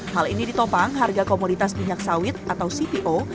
hal ini ditopang harga komoditas minyak sawit atau cpo